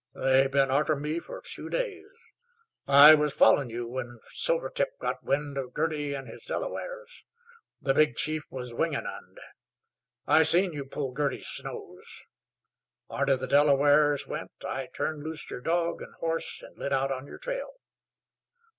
"They've been arter me fer two days. I was followin' you when Silvertip got wind of Girty an' his Delawares. The big chief was Wingenund. I seen you pull Girty's nose. Arter the Delawares went I turned loose yer dog an' horse an' lit out on yer trail.''